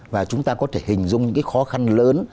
và chúng ta có thể hình dung những cái khó khăn lớn